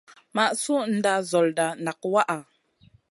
Ma sud nda nzolda nak waʼha.